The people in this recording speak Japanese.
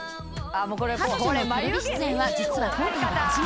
［彼女のテレビ出演は実は今回が初めて］